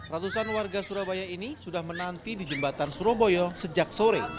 ratusan warga surabaya ini sudah menanti di jembatan surabaya sejak sore